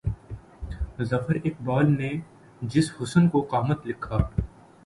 ظفر اقبال نے جس حُسن کو قامت لکھا